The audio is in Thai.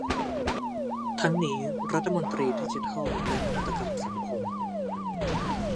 ทั้งนี้รัฐมนตรีดิจิทัลและนวัตกรรมสังคม